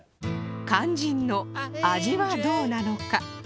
肝心の味はどうなのか？